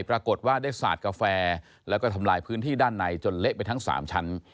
ปรากฏว่าได้สาดกาแฟแล้วก็ทำลายพื้นที่ด้านในจนเละไปทั้ง๓ชั้น